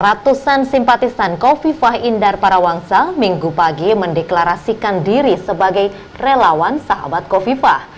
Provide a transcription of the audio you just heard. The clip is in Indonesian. ratusan simpatisan kofifah indar parawangsa minggu pagi mendeklarasikan diri sebagai relawan sahabat kofifah